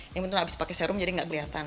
yang penting abis pakai serum jadi tidak kelihatan